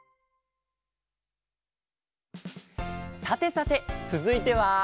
さてさてつづいては。